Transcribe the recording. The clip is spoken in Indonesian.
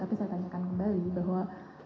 tapi saya tanyakan kembali bahwa